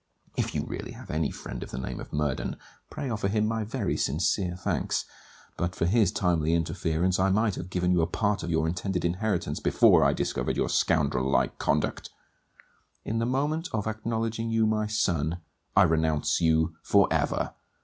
If you really have any friend of the name of Murden, pray offer him my very sincere thanks. But for his timely interference, I might have given you a part of your intended inheritance before I discovered your scoundrel like conduct. In the moment of acknowledging you my son, I renounce you for ever.